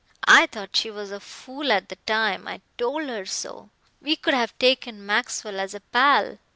I thought she was a fool at the time. I told her so. We could have taken Maxwell as a pal.